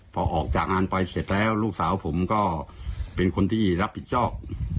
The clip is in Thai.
พอออกจากงานไปเสร็จแล้วลูกสาวผมก็เป็นคนที่รับผิดชอบ